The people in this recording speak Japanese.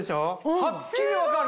はっきり分かる。